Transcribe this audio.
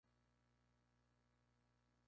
Siempre estás con la misma canción. Eres un cansino